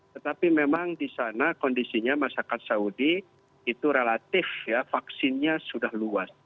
tetapi memang di sana kondisinya masyarakat saudi itu relatif ya vaksinnya sudah luas